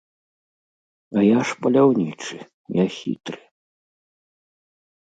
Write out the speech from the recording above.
А я ж паляўнічы, я хітры.